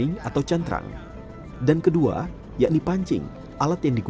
tapi awak sendiri seberepala enam puluh sembilan tahun sudah mengako hal itu